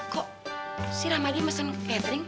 kok si ramadhan mesen catering